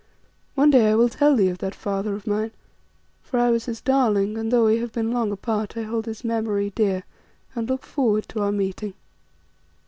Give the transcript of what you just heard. One day I will tell thee of that father of mine, for I was his darling, and though we have been long apart, I hold his memory dear and look forward to our meeting.